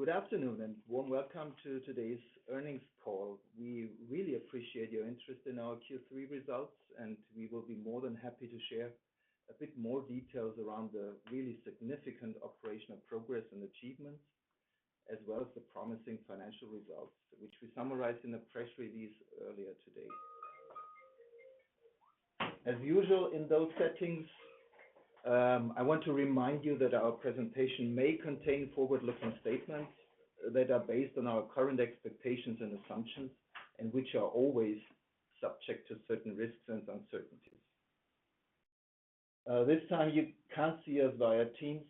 Good afternoon, and warm welcome to today's earnings call. We really appreciate your interest in our Q3 results, and we will be more than happy to share a bit more details around the really significant operational progress and achievements, as well as the promising financial results, which we summarized in a press release earlier today. As usual, in those settings, I want to remind you that our presentation may contain forward-looking statements that are based on our current expectations and assumptions, and which are always subject to certain risks and uncertainties. This time you can't see us via Teams,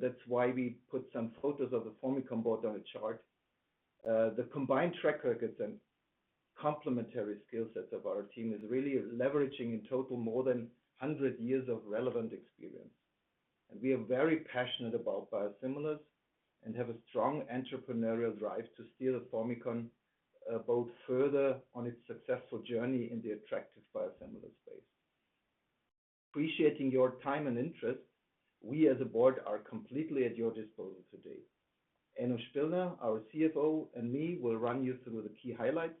that's why we put some photos of the Formycon board on a chart. The combined track records and complementary skill sets of our team is really leveraging, in total, more than 100 years of relevant experience. We are very passionate about biosimilars and have a strong entrepreneurial drive to steer the Formycon boat further on its successful journey in the attractive biosimilar space. Appreciating your time and interest, we, as a board, are completely at your disposal today. Enno Spillner, our CFO, and me, will run you through the key highlights,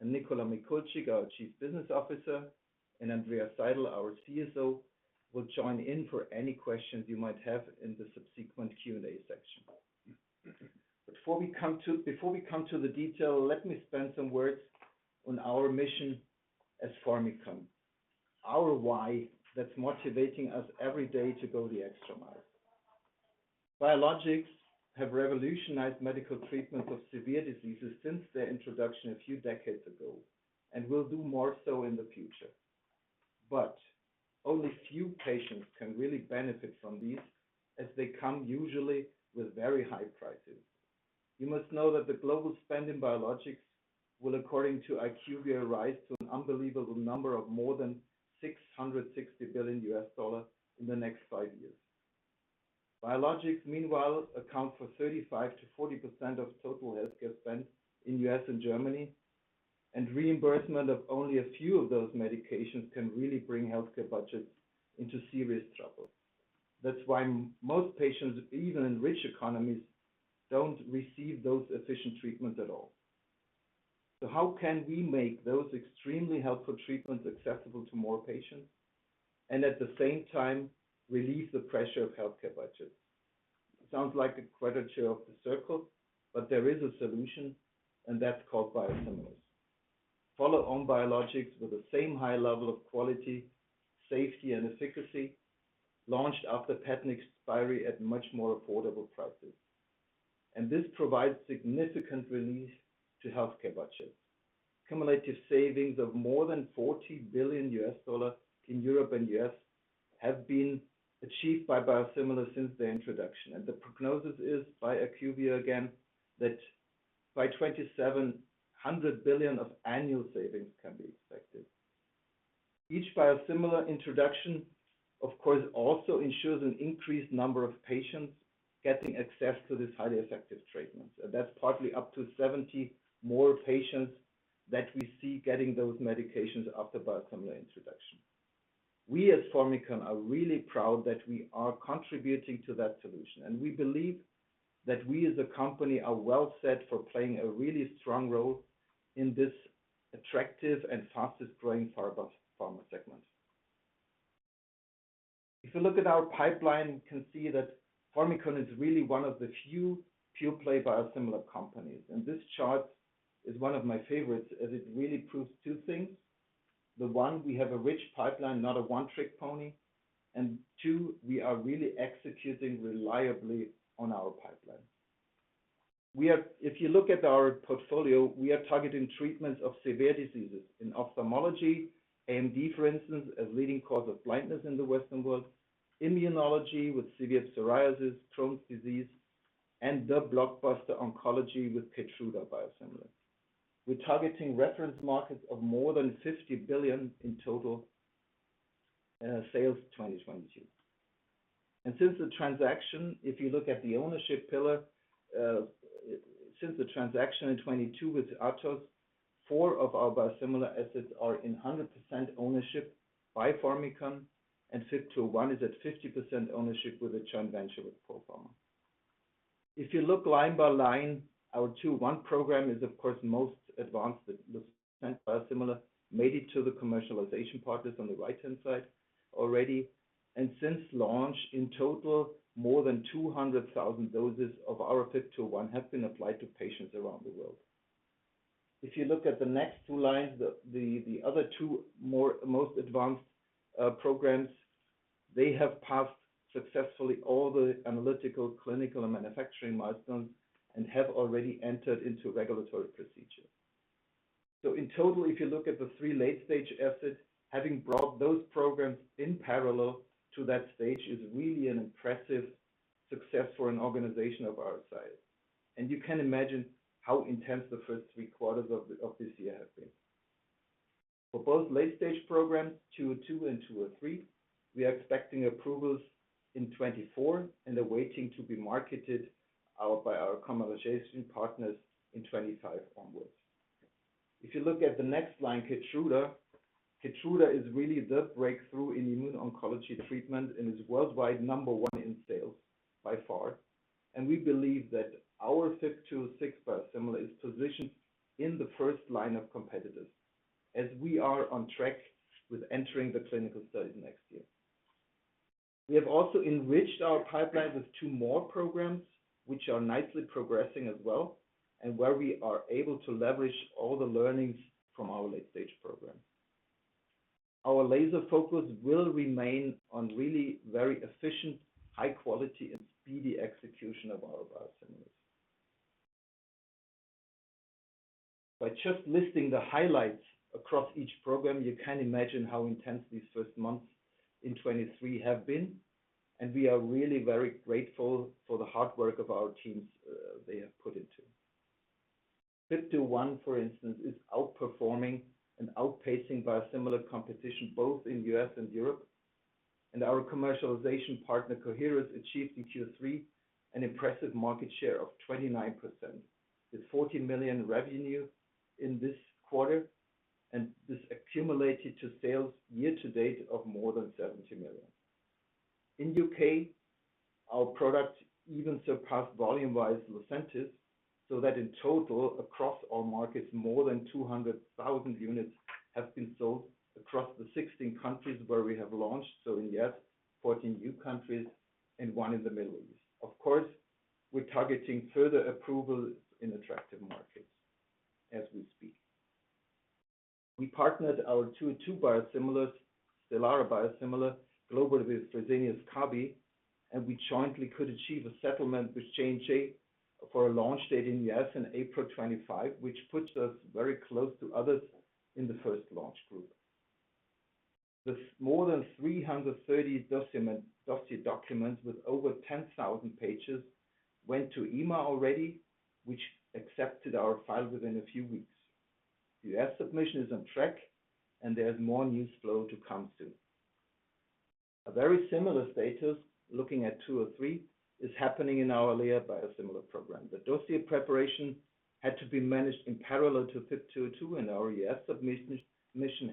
and Nicola Mikulcik, our Chief Business Officer, and Andreas Seidl, our CSO, will join in for any questions you might have in the subsequent Q&A section. Before we come to the detail, let me spend some words on our mission as Formycon. Our why, that's motivating us every day to go the extra mile. Biologics have revolutionized medical treatments of severe diseases since their introduction a few decades ago, and will do more so in the future. But only few patients can really benefit from these, as they come usually with very high prices. You must know that the global spend in biologics will, according to IQVIA, rise to an unbelievable number of more than $660 billion in the next five years. Biologics, meanwhile, account for 35%-40% of total healthcare spend in U.S. and Germany, and reimbursement of only a few of those medications can really bring healthcare budgets into serious trouble. That's why most patients, even in rich economies, don't receive those efficient treatments at all. So how can we make those extremely helpful treatments accessible to more patients, and at the same time, relieve the pressure of healthcare budgets? It sounds like a quadrature of the circle, but there is a solution, and that's called biosimilars. Follow-on biologics with the same high level of quality, safety, and efficacy, launched after patent expiry at much more affordable prices. This provides significant relief to healthcare budgets. Cumulative savings of more than $40 billion in Europe and U.S. have been achieved by biosimilars since their introduction, and the prognosis is, by IQVIA again, that by 2027, $100 billion of annual savings can be expected. Each biosimilar introduction, of course, also ensures an increased number of patients getting access to this highly effective treatment. That's partly up to 70% more patients that we see getting those medications after biosimilar introduction. We, as Formycon, are really proud that we are contributing to that solution, and we believe that we as a company are well set for playing a really strong role in this attractive and fastest-growing pharma, pharma segment. If you look at our pipeline, you can see that Formycon is really one of the few pure-play biosimilar companies. And this chart is one of my favorites, as it really proves two things. The one, we have a rich pipeline, not a one-trick pony. And two, we are really executing reliably on our pipeline. If you look at our portfolio, we are targeting treatments of severe diseases in ophthalmology, AMD, for instance, a leading cause of blindness in the Western world, immunology with severe psoriasis, Crohn's disease, and the blockbuster oncology with Keytruda biosimilar. We're targeting reference markets of more than $50 billion in total sales in 2022. Since the transaction, if you look at the ownership pillar, since the transaction in 2022 with ATHOS, four of our biosimilar assets are in 100% ownership by Formycon, and FYB201 is at 50% ownership with a joint venture with Polpharma. If you look line by line, our FYB201 program is, of course, most advanced. The biosimilar made it to the commercialization partners on the right-hand side already, and since launch, in total, more than 200,000 doses of our FYB201 have been applied to patients around the world. If you look at the next two lines, the other two more most advanced programs, they have passed successfully all the analytical, clinical, and manufacturing milestones and have already entered into regulatory procedure. So in total, if you look at the three late-stage assets, having brought those programs in parallel to that stage, is really an impressive success for an organization of our size. And you can imagine how intense the first three quarters of this year have been. For both late-stage programs, 202 and 203, we are expecting approvals in 2024, and they're waiting to be marketed out by our commercialization partners in 2025 onwards. If you look at the next line, Keytruda, Keytruda is really the breakthrough in immuno-oncology treatment and is worldwide number one in sales by far. And we believe that our FYB206 biosimilar is positioned in the first line of competitors, as we are on track with entering the clinical studies next year. We have also enriched our pipeline with two more programs, which are nicely progressing as well, and where we are able to leverage all the learnings from our late-stage program. Our laser focus will remain on really very efficient, high quality, and speedy execution of our biosimilars. By just listing the highlights across each program, you can imagine how intense these first months in 2023 have been, and we are really very grateful for the hard work of our teams, they have put into. FYB201, for instance, is outperforming and outpacing biosimilar competition both in U.S. and Europe, and our commercialization partner, Coherus, achieved in Q3 an impressive market share of 29%, with $14 million revenue in this quarter, and this accumulated to sales year to date of more than $70 million. In the U.K., our product even surpassed volume-wise Lucentis, so that in total, across all markets, more than 200,000 units have been sold across the 16 countries where we have launched. So in the U.S., 14 new countries, and one in the Middle East. Of course, we're targeting further approval in attractive markets as we speak. We partnered our two biosimilars, Stelara biosimilar, globally with Fresenius Kabi, and we jointly could achieve a settlement with J&J for a launch date in the U.S. in April 2025, which puts us very close to others in the first launch group. The more than 330 dossier documents with over 10,000 pages went to EMA already, which accepted our file within a few weeks. The U.S. submission is on track, and there's more news flow to come soon. A very similar status, looking at FYB203, is happening in our Eylea biosimilar program. The dossier preparation had to be managed in parallel to FYB202, and our U.S. submission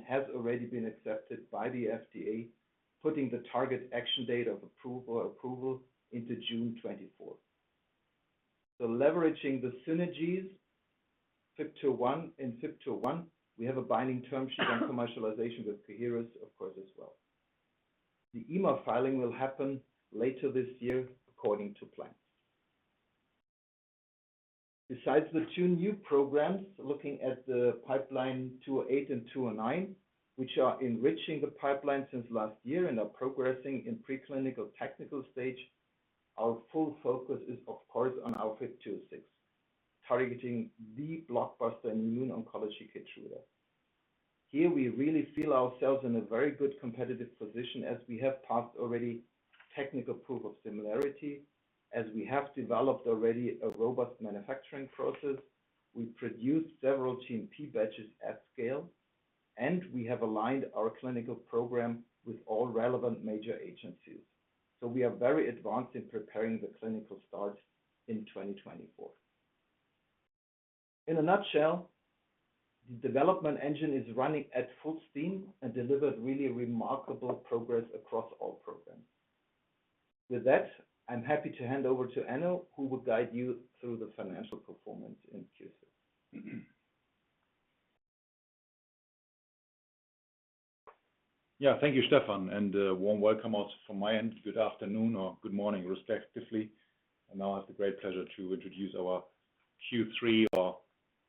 has already been accepted by the FDA, putting the target action date of approval into June 2024. So leveraging the synergies, FYB201, in FYB201, we have a binding term sheet on commercialization with Coherus, of course, as well. The EMA filing will happen later this year, according to plan. Besides the two new programs, looking at the pipeline, FYB208 and FYB209, which are enriching the pipeline since last year and are progressing in preclinical technical stage, our full focus is, of course, on our FYB206, targeting the blockbuster immuno-oncology, Keytruda. Here we really feel ourselves in a very good competitive position as we have passed already Technical Proof of Similarity, as we have developed already a robust manufacturing process. We've produced several GMP batches at scale, and we have aligned our clinical program with all relevant major agencies. We are very advanced in preparing the clinical start in 2024. In a nutshell, the development engine is running at full steam and delivered really remarkable progress across all programs. With that, I'm happy to hand over to Enno, who will guide you through the financial performance in Q3. Yeah, thank you, Stefan, and a warm welcome also from my end. Good afternoon or good morning, respectively. Now I have the great pleasure to introduce our Q3 or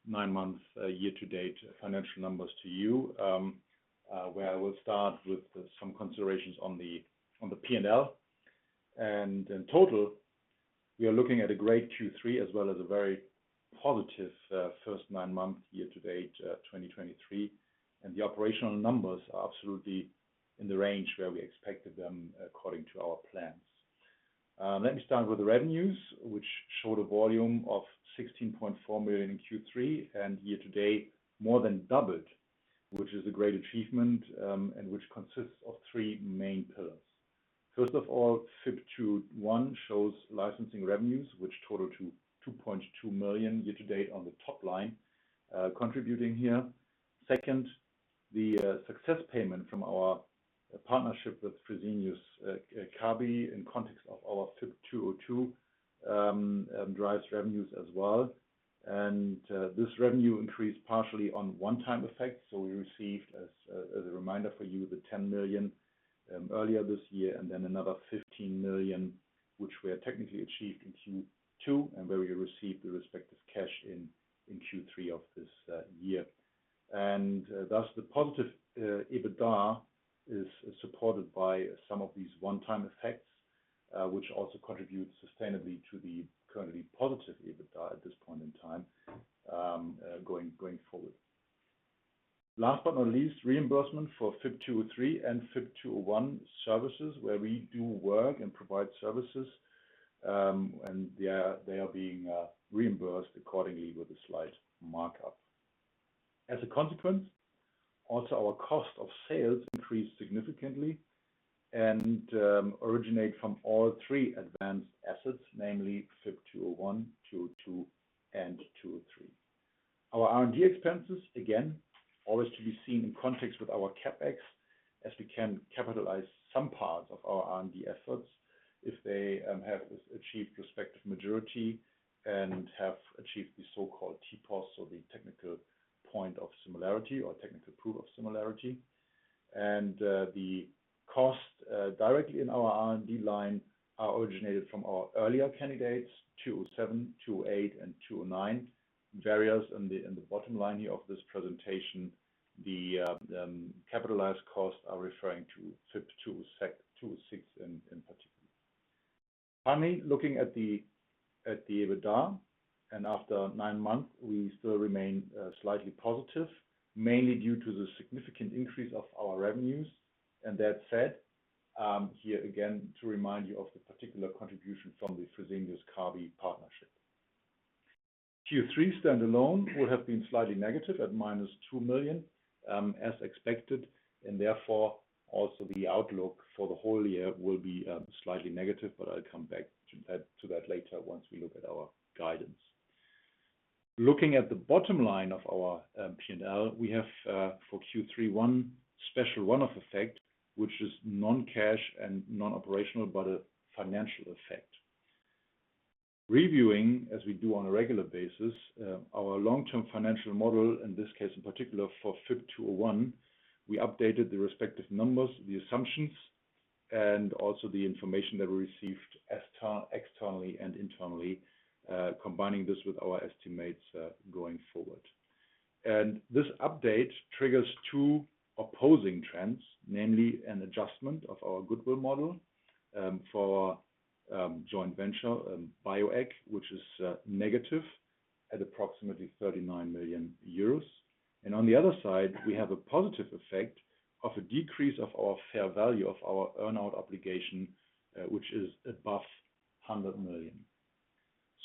nine-month year-to-date financial numbers to you, where I will start with some considerations on the, on the P&L. In total, we are looking at a great Q3 as well as a very positive first nine-month year to date 2023, and the operational numbers are absolutely in the range where we expected them according to our plans. Let me start with the revenues, which showed a volume of 16.4 million in Q3, and year to date, more than doubled, which is a great achievement, and which consists of three main pillars. First of all, FYB201 shows licensing revenues, which total to 2.2 million year to date on the top line, contributing here. Second, the success payment from our partnership with Fresenius Kabi, in context of our FYB202, drives revenues as well. And this revenue increased partially on one-time effects, so we received, as a reminder for you, the 10 million earlier this year, and then another 15 million, which we have technically achieved in Q2, and where we received the respective cash in Q3 of this year. And thus, the positive EBITDA is supported by some of these one-time effects, which also contribute sustainably to the currently positive EBITDA at this point in time, going forward. Last but not least, reimbursement for FYB203 and FYB201 services, where we do work and provide services, and they are being reimbursed accordingly with a slight markup. As a consequence, also, our cost of sales increased significantly and originate from all three advanced assets, namely FYB201, FYB202, and FYB203. Our R&D expenses, again, always to be seen in context with our CapEx, as we can capitalize some parts of our R&D efforts if they have achieved respective majority and have achieved the so-called TPOS, or the technical proof of similarity. And the costs directly in our R&D line are originated from our earlier candidates, FYB207, FYB208, and FYB209. And in the bottom line here of this presentation, the capitalized costs are referring to FYB206, FYB206 in particular. Finally, looking at the EBITDA, and after nine months, we still remain slightly positive, mainly due to the significant increase of our revenues. That said, here again, to remind you of the particular contribution from the Fresenius Kabi partnership. Q3 standalone would have been slightly negative at -2 million, as expected, and therefore, also the outlook for the whole year will be slightly negative, but I'll come back to that later once we look at our guidance. Looking at the bottom line of our P&L, we have for Q3 one special one-off effect, which is non-cash and non-operational, but a financial effect. Reviewing, as we do on a regular basis, our long-term financial model, in this case in particular for FYB201, we updated the respective numbers, the assumptions, and also the information that we received externally and internally, combining this with our estimates, going forward. And this update triggers two opposing trends, namely an adjustment of our goodwill model, for joint venture Bioeq AG, which is negative at approximately 39 million euros. And on the other side, we have a positive effect of a decrease of our fair value of our earn-out obligation, which is above 100 million.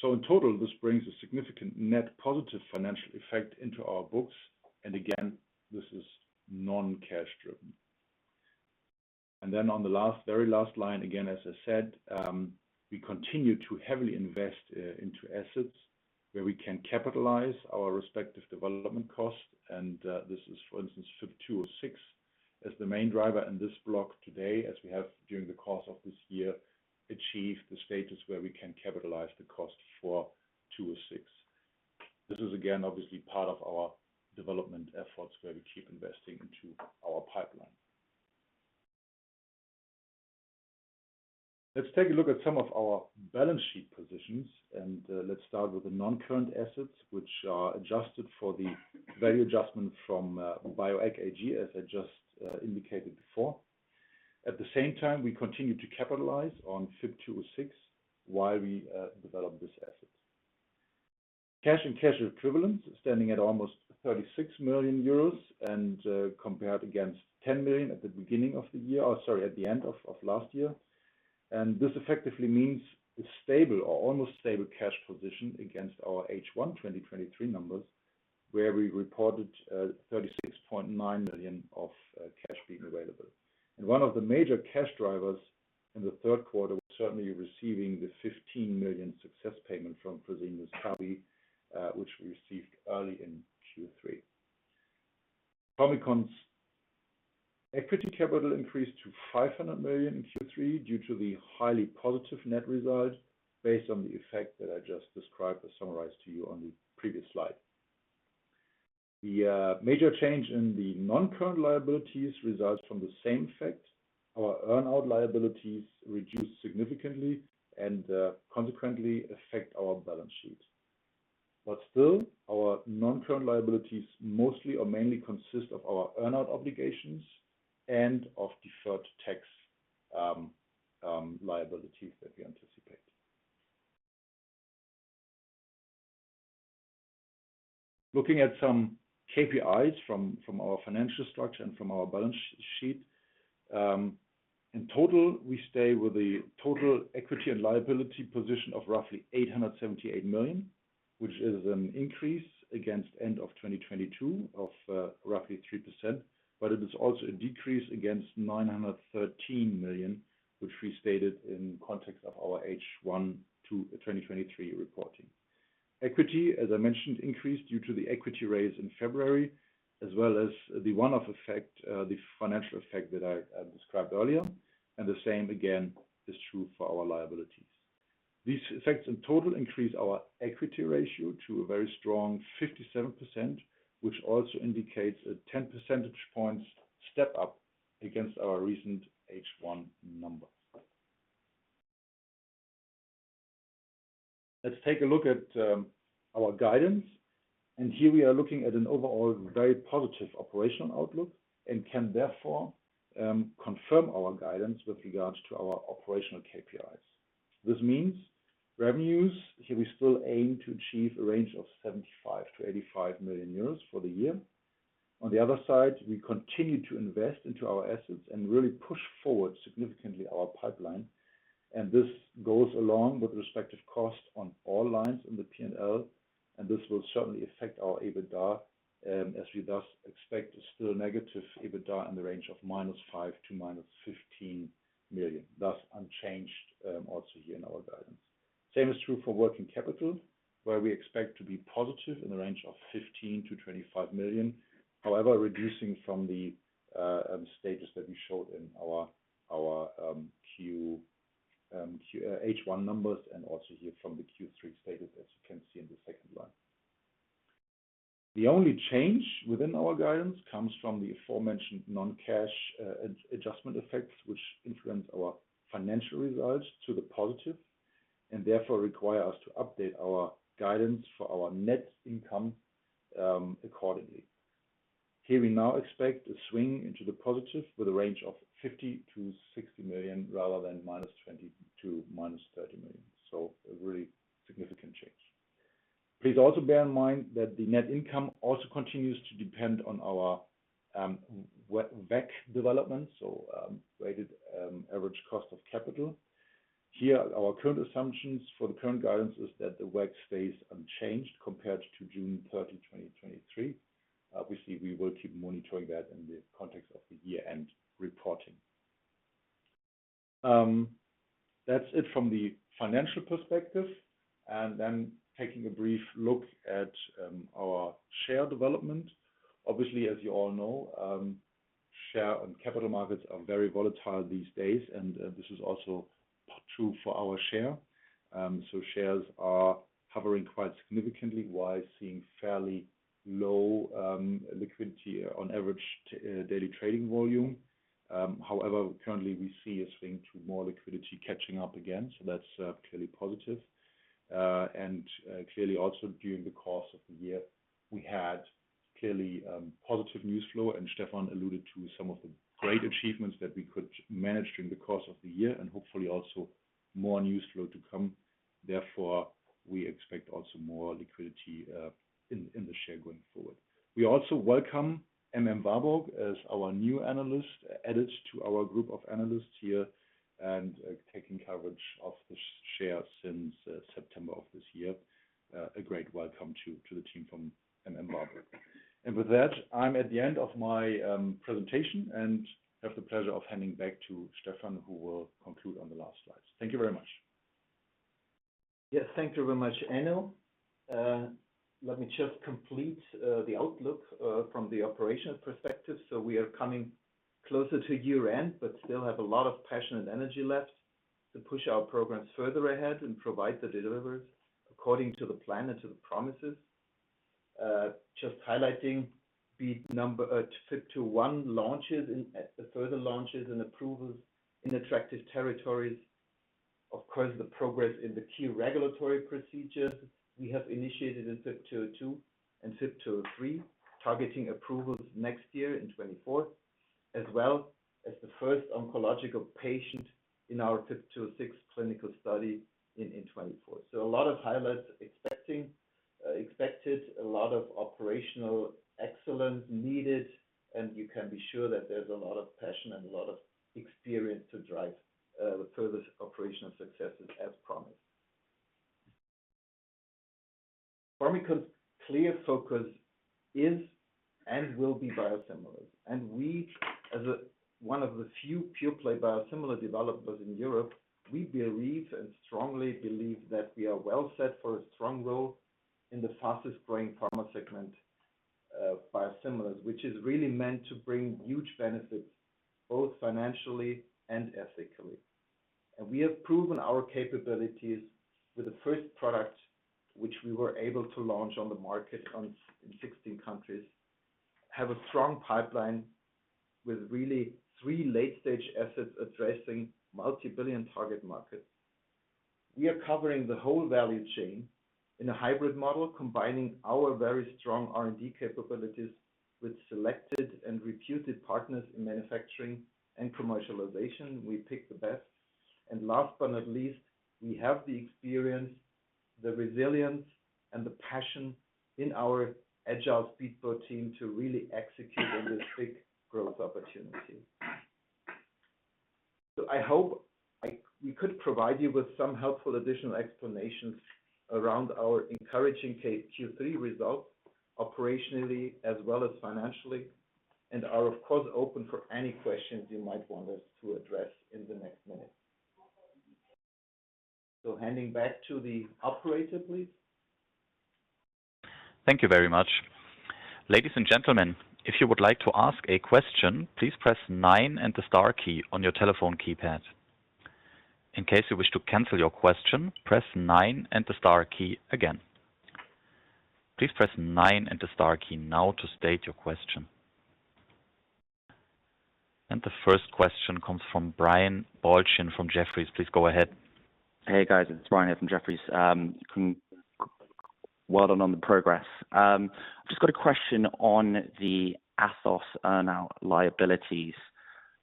So in total, this brings a significant net positive financial effect into our books, and again, this is non-cash driven. And then on the last, very last line, again, as I said, we continue to heavily invest into assets where we can capitalize our respective development costs. This is, for instance, FYB206, as the main driver in this block today, as we have, during the course of this year, achieved the status where we can capitalize the cost for FYB206. This is again, obviously part of our development efforts, where we keep investing into our pipeline. Let's take a look at some of our balance sheet positions, and let's start with the non-current assets, which are adjusted for the value adjustment from Bioeq AG, as I just indicated before. At the same time, we continue to capitalize on FYB206 while we develop this asset. Cash and cash equivalents standing at almost 36 million euros and, compared against 10 million at the end of last year. And this effectively means a stable or almost stable cash position against our H1 2023 numbers, where we reported, 36.9 million of cash being available. And one of the major cash drivers in the third quarter was certainly receiving the 15 million success payment from Fresenius Kabi, which we received early in Q3. Formycon's equity capital increased to 500 million in Q3 due to the highly positive net result, based on the effect that I just described or summarized to you on the previous slide. The major change in the non-current liabilities results from the same effect. Our earn-out liabilities reduced significantly and, consequently affect our balance sheet. But still, our non-current liabilities mostly or mainly consist of our earn-out obligations and of deferred tax liabilities that we anticipate. Looking at some KPIs from our financial structure and from our balance sheet. In total, we stay with the total equity and liability position of roughly 878 million, which is an increase against end of 2022 of roughly 3%, but it is also a decrease against 913 million, which we stated in context of our H1 2023 reporting. Equity, as I mentioned, increased due to the equity raise in February, as well as the one-off effect, the financial effect that I described earlier, and the same again is true for our liabilities. These effects in total increase our equity ratio to a very strong 57%, which also indicates a 10 percentage points step up against our recent H1 numbers. Let's take a look at our guidance, and here we are looking at an overall very positive operational outlook and can therefore confirm our guidance with regards to our operational KPIs. This means revenues, here we still aim to achieve a range of 75 million-85 million euros for the year. On the other side, we continue to invest into our assets and really push forward significantly our pipeline.... This goes along with respective costs on all lines in the P&L, and this will certainly affect our EBITDA, as we thus expect still negative EBITDA in the range of -5 million to -15 million. Thus unchanged, also here in our guidance. Same is true for working capital, where we expect to be positive in the range of 15 million-25 million. However, reducing from the stages that we showed in our Q1 H1 numbers, and also here from the Q3 status, as you can see in the second line. The only change within our guidance comes from the aforementioned non-cash adjustment effects, which influence our financial results to the positive, and therefore require us to update our guidance for our net income accordingly. Here we now expect a swing into the positive with a range of 50 million-60 million, rather than -20 million--30 million. So a really significant change. Please also bear in mind that the net income also continues to depend on our WACC development, so weighted average cost of capital. Here, our current assumptions for the current guidance is that the WACC stays unchanged compared to June 30, 2023. Obviously, we will keep monitoring that in the context of the year-end reporting. That's it from the financial perspective, and then taking a brief look at our share development. Obviously, as you all know, share and capital markets are very volatile these days, and this is also true for our share. So shares are hovering quite significantly while seeing fairly low liquidity on average daily trading volume. However, currently we see a swing to more liquidity catching up again, so that's clearly positive. Clearly also during the course of the year, we had clearly positive news flow, and Stefan alluded to some of the great achievements that we could manage during the course of the year, and hopefully also more news flow to come. Therefore, we expect also more liquidity in the share going forward. We also welcome M.M. Warburg as our new analyst, added to our group of analysts here, and taking coverage of the share since September of this year. A great welcome to the team from M.M. Warburg. And with that, I'm at the end of my presentation and have the pleasure of handing back to Stefan, who will conclude on the last slides. Thank you very much. Yes, thank you very much, Enno. Let me just complete the outlook from the operational perspective. So we are coming closer to year-end, but still have a lot of passion and energy left to push our programs further ahead and provide the deliveries according to the plan and to the promises. Just highlighting the number FYB201 launches and further launches and approvals in attractive territories. Of course, the progress in the key regulatory procedures we have initiated in FYB202 and FYB203, targeting approvals next year in 2024, as well as the first oncological patient in our FYB206 clinical study in 2024. So a lot of highlights expecting expected, a lot of operational excellence needed, and you can be sure that there's a lot of passion and a lot of experience to drive the further operational successes as promised. Formycon's clear focus is and will be biosimilars, and we, as a, one of the few pure-play biosimilar developers in Europe, we believe and strongly believe that we are well set for a strong role in the fastest-growing pharma segment, biosimilars, which is really meant to bring huge benefits, both financially and ethically. We have proven our capabilities with the first product, which we were able to launch on the market in 16 countries, have a strong pipeline with really three late-stage assets addressing multi-billion target markets. We are covering the whole value chain in a hybrid model, combining our very strong R&D capabilities with selected and reputed partners in manufacturing and commercialization. We pick the best. Last but not least, we have the experience, the resilience, and the passion in our agile speedboat team to really execute on this big growth opportunity. So I hope we could provide you with some helpful additional explanations around our encouraging Q3 results, operationally as well as financially, and are, of course, open for any questions you might want us to address in the next minute. So handing back to the operator, please. Thank you very much. Ladies and gentlemen, if you would like to ask a question, please press nine and the star key on your telephone keypad. In case you wish to cancel your question, press nine and the star key again. Please press nine and the star key now to state your question. And the first question comes from Brian Balchin from Jefferies. Please go ahead. Hey, guys, it's Brian here from Jefferies. Well done on the progress. Just got a question on the Athos earn-out liabilities.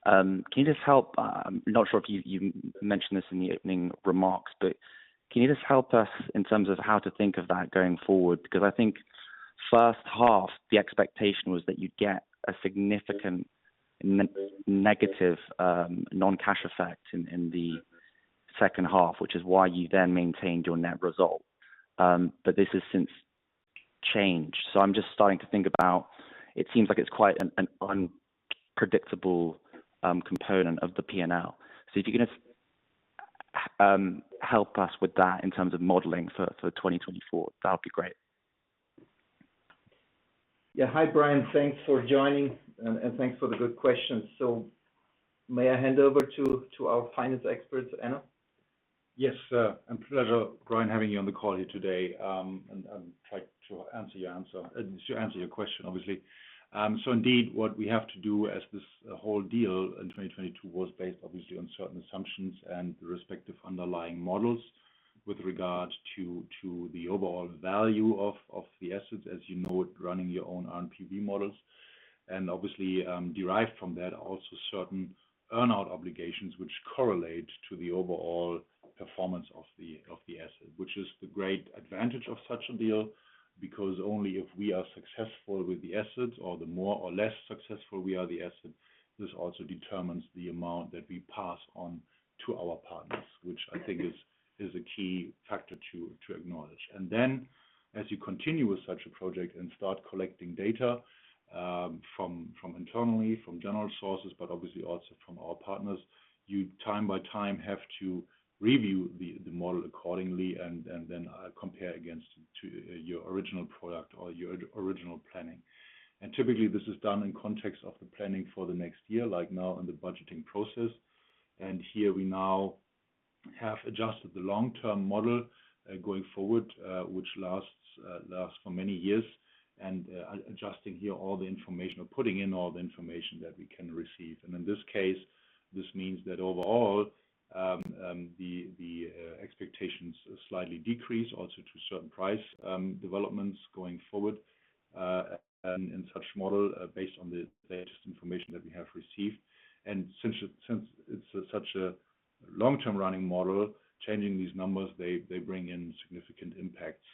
Can you just help... I'm not sure if you mentioned this in the opening remarks, but can you just help us in terms of how to think of that going forward? Because I think first half, the expectation was that you'd get a significant negative non-cash effect in the second half, which is why you then maintained your net result. But this has since changed. So I'm just starting to think about it; it seems like it's quite an unpredictable component of the P&L. So if you can just help us with that in terms of modeling for 2024, that would be great. Yeah. Hi, Brian. Thanks for joining and thanks for the good question. So may I hand over to our finance experts, Enno? Yes, a pleasure, Brian, having you on the call here today, and to answer your question, obviously. So indeed, what we have to say is this whole deal in 2022 was based obviously on certain assumptions and respective underlying models with regard to the overall value of the assets, as you know, running your own rNPV models. And obviously, derived from that, also certain earn-out obligations, which correlate to the overall performance of the asset. Which is the great advantage of such a deal, because only if we are successful with the assets or the more or less successful we are with the asset, this also determines the amount that we pass on to our partners, which I think is a key factor to acknowledge. And then, as you continue with such a project and start collecting data, from, from internally, from general sources, but obviously also from our partners, from time to time, have to review the model accordingly and then compare against to your original product or your original planning. And typically, this is done in context of the planning for the next year, like now in the budgeting process. And here we now have adjusted the long-term model going forward, which lasts, lasts for many years, and adjusting here all the information or putting in all the information that we can receive. And in this case, this means that overall, the expectations slightly decrease also to certain price developments going forward, and in such model based on the latest information that we have received. Since it's such a long-term running model, changing these numbers, they bring in significant impacts.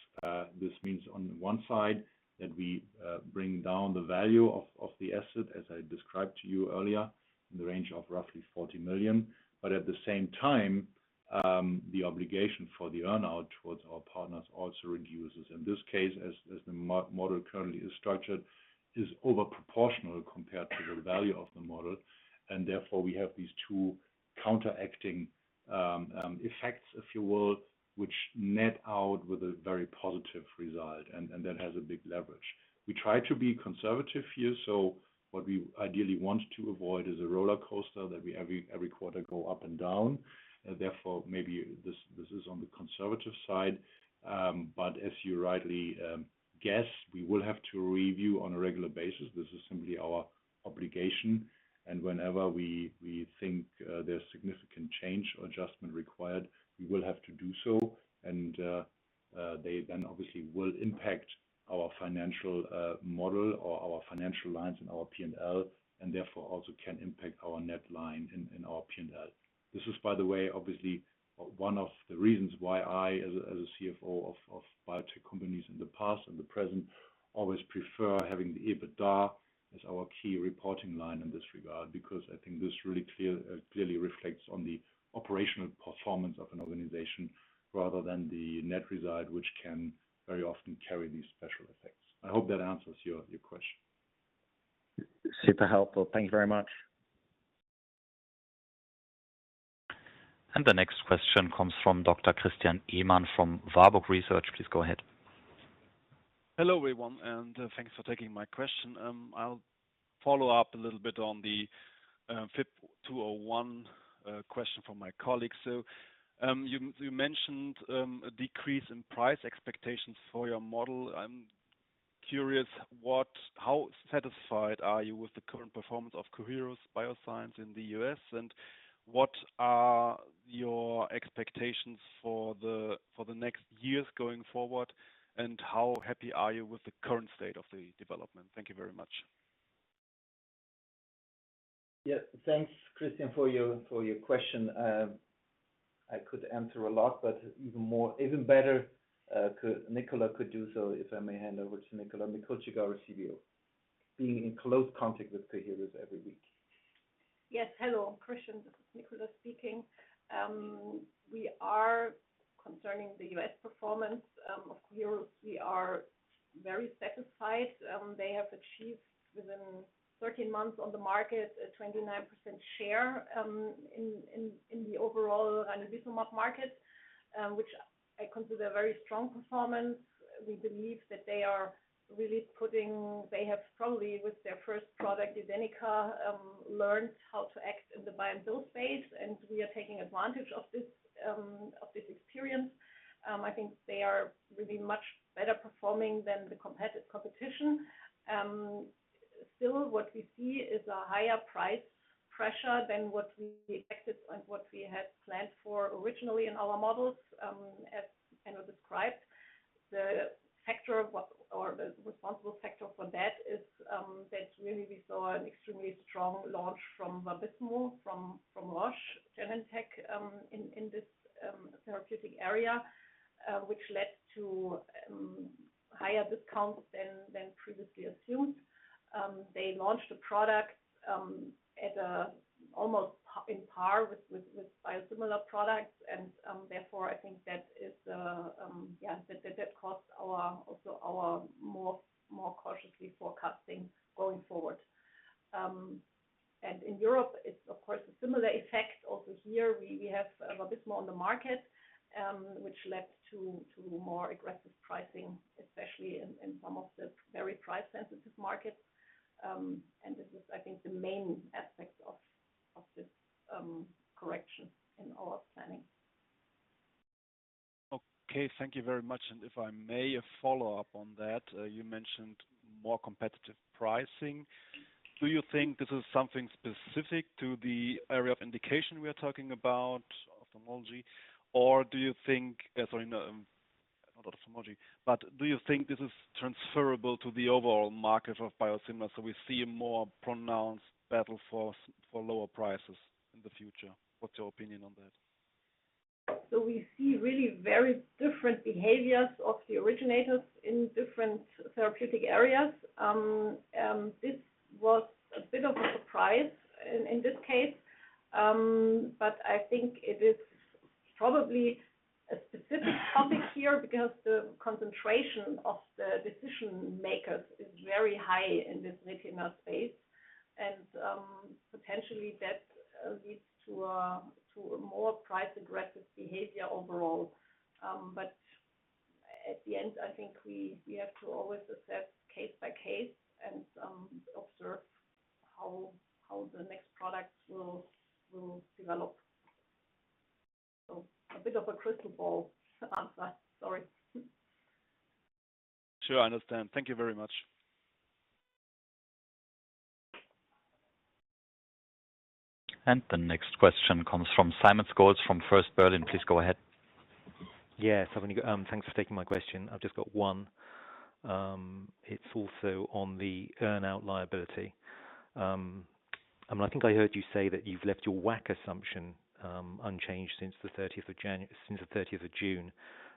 This means on the one side that we bring down the value of the asset, as I described to you earlier, in the range of roughly 40 million. But at the same time, the obligation for the earn-out towards our partners also reduces. In this case, as the model currently is structured, is over proportional compared to the value of the model, and therefore, we have these two counteracting effects, if you will, which net out with a very positive result, and that has a big leverage. We try to be conservative here, so what we ideally want to avoid is a roller coaster that we every quarter go up and down. Therefore, maybe this is on the conservative side, but as you rightly guess, we will have to review on a regular basis. This is simply our obligation, and whenever we think there's significant change or adjustment required, we will have to do so. They then obviously will impact our financial model or our financial lines in our P&L, and therefore, also can impact our net line in our P&L. This is, by the way, obviously, one of the reasons why I, as a CFO of biotech companies in the past and the present, always prefer having the EBITDA as our key reporting line in this regard, because I think this really clearly reflects on the operational performance of an organization, rather than the net result, which can very often carry these special effects. I hope that answers your question. Super helpful. Thank you very much. The next question comes from Dr. Christian Ehmann from Warburg Research. Please go ahead. Hello, everyone, and thanks for taking my question. I'll follow up a little bit on the FYB201 question from my colleague. So, you mentioned a decrease in price expectations for your model. I'm curious, how satisfied are you with the current performance of Coherus BioSciences in the U.S.? And what are your expectations for the next years going forward, and how happy are you with the current state of the development? Thank you very much. Yes. Thanks, Christian, for your question. I could answer a lot, but even more, even better, so Nicola could do so, if I may hand over to Nicola. Nicola Mikulcik, CBO, being in close contact with Coherus every week. Yes, hello, Christian, Nicola speaking. We are concerning the U.S. performance of Coherus; we are very satisfied. They have achieved within 13 months on the market a 29% share in the overall ranibizumab market, which I consider a very strong performance. We believe that they are really putting. They have probably, with their first product, Udenyca, learned how to act in the buy-and-bill phase, and we are taking advantage of this, of this experience. I think they are really much better performing than the competitive competition. Still, what we see is a higher price pressure than what we expected and what we had planned for originally in our models. As Enno described, the factor, what or the responsible factor for that is, that really we saw an extremely strong launch from Vabysmo, from Roche Genentech, in this therapeutic area, which led to higher discounts than previously assumed. They launched the products at almost par with biosimilar products, and therefore, I think that is, yeah, that caused our also our more cautiously forecasting going forward. And in Europe, it's of course a similar effect. Also here, we have a bit more on the market, which led to more aggressive pricing, especially in some of the very price-sensitive markets. And this is, I think, the main aspect of this correction in our planning. Okay, thank you very much. And if I may, a follow-up on that. You mentioned more competitive pricing. Do you think this is something specific to the area of indication we are talking about, ophthalmology, or do you think, sorry, not ophthalmology, but do you think this is transferable to the overall market of biosimilars, so we see a more pronounced battle for lower prices in the future? What's your opinion on that? So we see really very different behaviors of the originators in different therapeutic areas. This was a bit of a surprise in this case. But I think it is probably a specific topic here, because the concentration of the decision-makers is very high in this retinal space, and potentially that leads to a more price-aggressive behavior overall. But at the end, I think we have to always assess case by case and observe how the next products will develop. So a bit of a crystal ball answer. Sorry. Sure, I understand. Thank you very much. The next question comes from Simon Scholes from First Berlin. Please go ahead. Yes, I want to go. Thanks for taking my question. I've just got one. It's also on the earn-out liability. And I think I heard you say that you've left your WACC assumption unchanged since the 30th of June.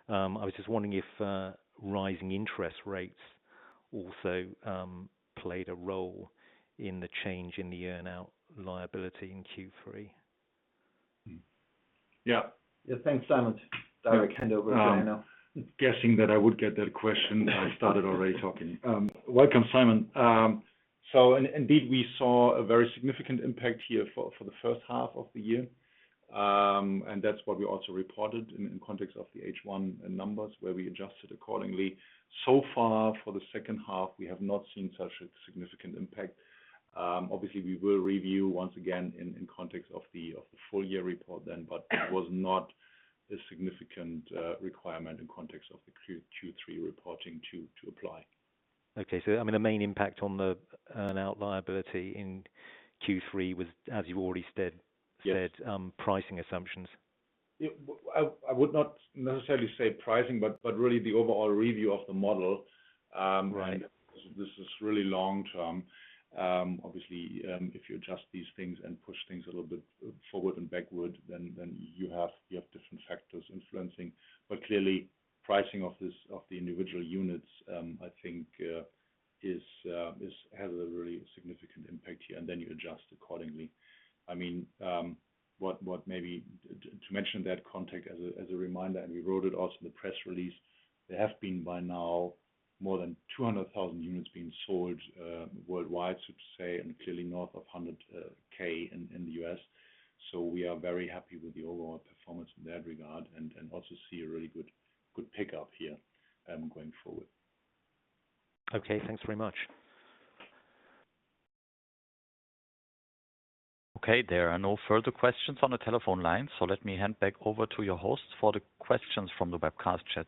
I was just wondering if rising interest rates also played a role in the change in the earn-out liability in Q3? Yeah. Yeah, thanks, Simon. Direct hand over to you now. Guessing that I would get that question, I started already talking. Welcome, Simon. So indeed, we saw a very significant impact here for the first half of the year. And that's what we also reported in context of the H1 numbers, where we adjusted accordingly. So far, for the second half, we have not seen such a significant impact. Obviously, we will review once again in context of the full year report then, but it was not a significant requirement in context of the Q3 reporting to apply. Okay. So, I mean, the main impact on the earn-out liability in Q3 was, as you've already said- Yes.... said, pricing assumptions. Yeah. I would not necessarily say pricing, but really the overall review of the model, this is really long term. Obviously, if you adjust these things and push things a little bit forward and backward, then you have different factors influencing. But clearly, pricing of this, of the individual units, I think, has a really significant impact here, and then you adjust accordingly. I mean, what maybe to mention that context as a reminder, and we wrote it also in the press release, there have been, by now, more than 200,000 units being sold worldwide, so to say, and clearly north of 100K in the U.S. So we are very happy with the overall performance in that regard and also see a really good pickup here, going forward. Okay, thanks very much. Okay, there are no further questions on the telephone line, so let me hand back over to your host for the questions from the webcast chat.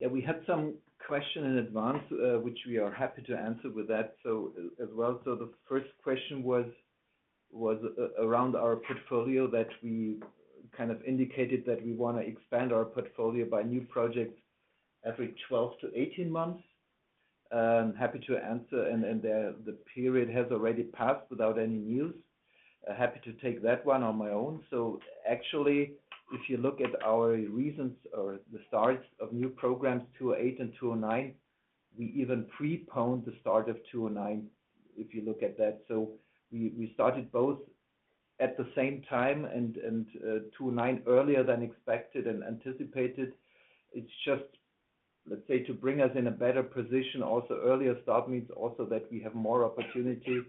Yeah, we had some question in advance, which we are happy to answer with that, so as well. So the first question was around our portfolio, that we kind of indicated that we want to expand our portfolio by new projects every 12-18 months. Happy to answer, and the period has already passed without any news. Happy to take that one on my own. So actually, if you look at our reasons or the starts of new programs, 208 and 209, we even preponed the start of 209, if you look at that. So we started both at the same time and 209 earlier than expected and anticipated. It's just, let's say, to bring us in a better position. Also, earlier start means also that we have more opportunity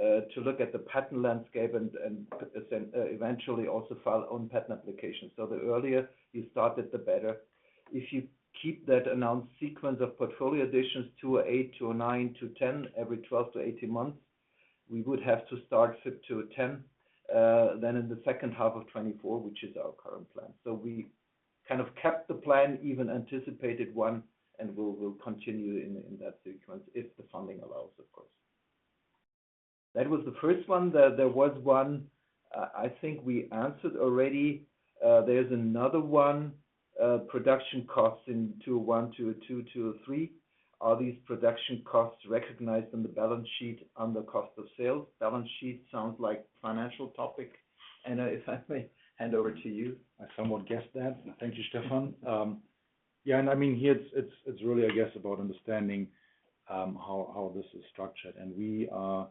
to look at the patent landscape and eventually also file own patent applications. So the earlier you started, the better. If you keep that announced sequence of portfolio additions, FYB208, FYB209, FYB210, every 12-18 months, we would have to start FYB210 then in the second half of 2024, which is our current plan. So we kind of kept the plan, even anticipated one, and we'll continue in that sequence, if the funding allows, of course. That was the first one. There was one, I think we answered already. There's another one, production costs in FYB201, FYB202, FYB203. Are these production costs recognized on the balance sheet under cost of sales? Balance sheet sounds like financial topic. Enno, if I may hand over to you? I somewhat guessed that. Thank you, Stefan. Yeah, and I mean, here it's really, I guess, about understanding how this is structured. And we are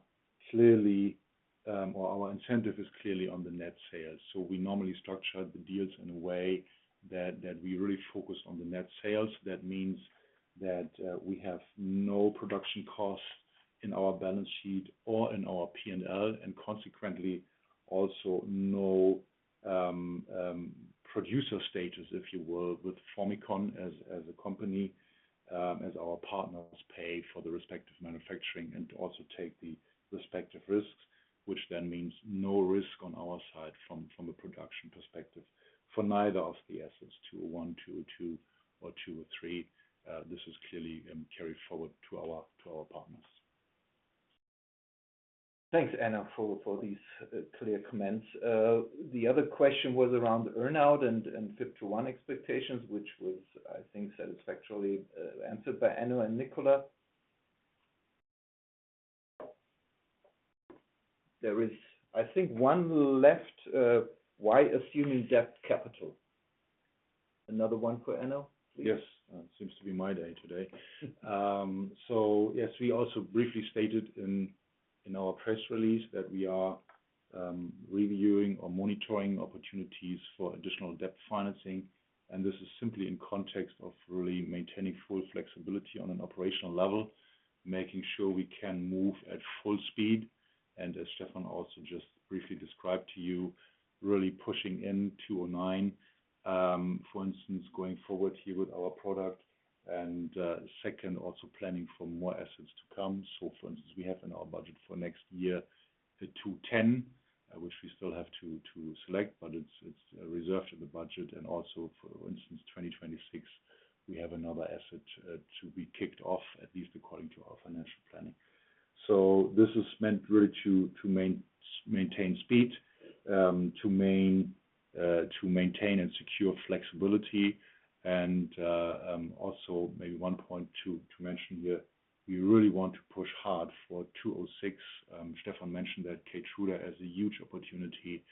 clearly, or our incentive is clearly on the net sales. So we normally structure the deals in a way that we really focus on the net sales. That means that we have no production costs in our balance sheet or in our P&L, and consequently, also no producer stages, if you will, with Formycon as a company, as our partners pay for the respective manufacturing and also take the respective risks, which then means no risk on our side from a production perspective for neither of the assets, two oh one, two oh two, or two oh three. This is clearly carried forward to our partners. Thanks, Enno, for, for these clear comments. The other question was around the earn-out and 51 expectations, which was, I think, satisfactorily answered by Enno and Nicola. There is, I think, one left, why assuming debt capital? Another one for Enno, please. Yes. Seems to be my day today. So yes, we also briefly stated in our press release that we are reviewing or monitoring opportunities for additional debt financing, and this is simply in context of really maintaining full flexibility on an operational level, making sure we can move at full speed. And as Stefan also just briefly described to you, really pushing in 209, for instance, going forward here with our product. And second, also planning for more assets to come. So for instance, we have in our budget for next year, the 210, which we still have to select, but it's reserved in the budget. And also for instance, 2026, we have another asset to be kicked off, at least according to our financial planning. So this is meant really to maintain speed, to maintain and secure flexibility. And also maybe one point to mention here, we really want to push hard for 206. Stefan mentioned that Keytruda has a huge opportunity,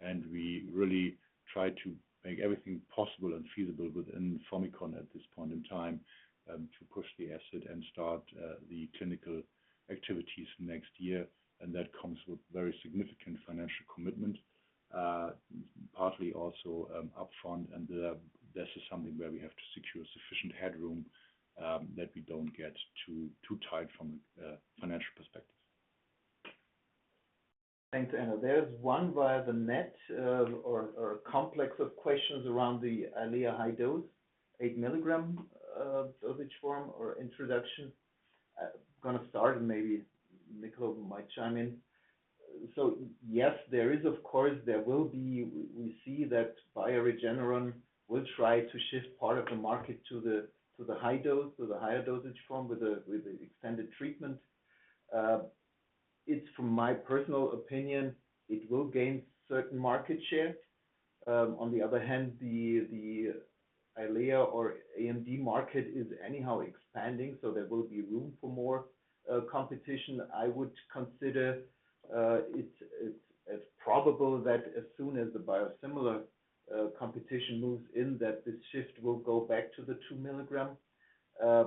and we really try to make everything possible and feasible within Formycon at this point in time, to push the asset and start the clinical activities next year. And that comes with very significant financial commitment, partly also upfront, and this is something where we have to secure sufficient headroom, that we don't get too tight from a financial perspective. Thanks, Enno. There's one via the net, a complex of questions around the Eylea high dose, 8 mg, dosage form or introduction. Gonna start, and maybe Nicola might chime in. So yes, there is, of course, there will be—we see that Regeneron will try to shift part of the market to the high dose, to the higher dosage form with the extended treatment. It's from my personal opinion, it will gain certain market share. On the other hand, the Eylea or AMD market is anyhow expanding, so there will be room for more, competition. I would consider, it's probable that as soon as the biosimilar competition moves in, that this shift will go back to the 2 mg.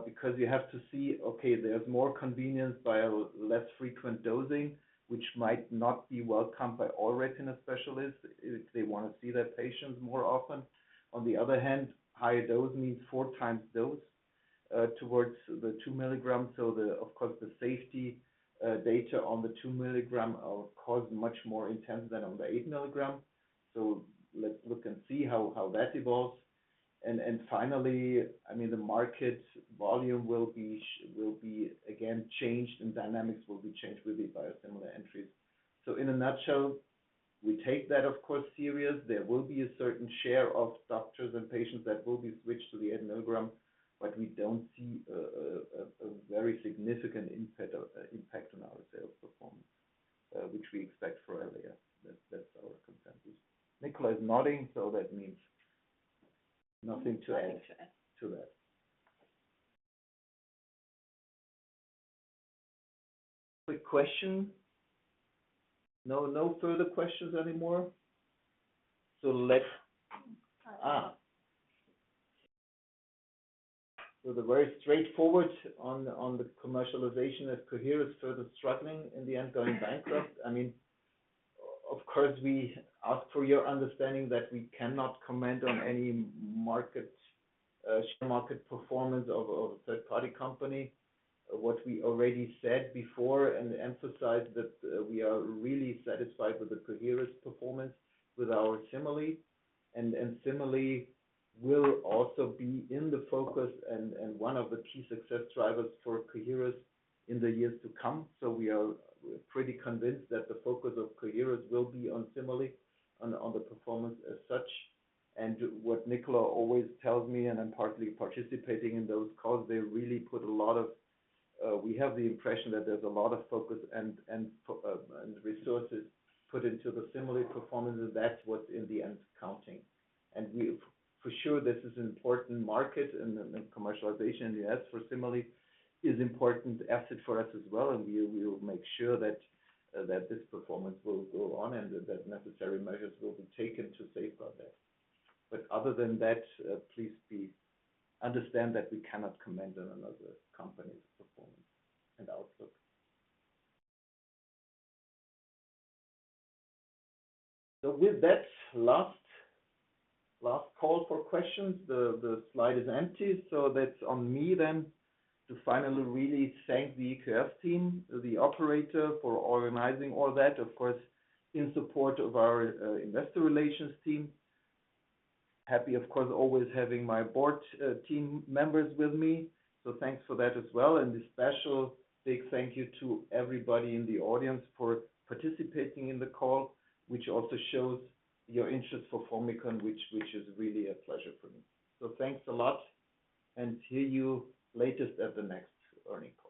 Because you have to see, okay, there's more convenience by a less frequent dosing, which might not be welcomed by all retina specialists if they want to see their patients more often. On the other hand, higher dose means four times dose towards the 2 mg. So of course, the safety data on the 2 mg are, of course, much more intense than on the 8 mg. So let's look and see how that evolves. And finally, I mean, the market volume will be again changed, and dynamics will be changed with the biosimilar entries. So in a nutshell, we take that, of course, serious. There will be a certain share of doctors and patients that will be switched to the 8 mg, but we don't see a very significant impact on our sales performance, which we expect for Eylea. That's our consensus. Nicola is nodding, so that means nothing to add to that. Quick question? No, no further questions anymore. So let's... So the very straightforward on the commercialization, as Coherus further struggling in the end, going bankrupt. I mean, of course, we ask for your understanding that we cannot comment on any market share market performance of a third-party company. What we already said before and emphasize that, we are really satisfied with the Coherus performance with our Cimerli. And Cimerli will also be in the focus and one of the key success drivers for Coherus in the years to come. So we are pretty convinced that the focus of Coherus will be on Cimerli, on the performance as such. And what Nicola always tells me, and I'm partly participating in those calls, they really put a lot of. We have the impression that there's a lot of focus and resources put into the Cimerli performance, and that's what's in the end counting. And we—for sure, this is an important market and commercialization in the U.S. for Cimerli is important asset for us as well, and we will make sure that this performance will go on and that necessary measures will be taken to ensure that. But other than that, please understand that we cannot comment on another company's performance and outlook. So with that last, last call for questions, the slide is empty. So that's on me then to finally really thank the EQS team, the operator, for organizing all that, of course, in support of our investor relations team. Happy, of course, always having my board team members with me, so thanks for that as well. And a special big thank you to everybody in the audience for participating in the call, which also shows your interest for Formycon, which is really a pleasure for me. So thanks a lot, and see you latest at the next earnings call.